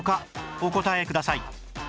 お答えください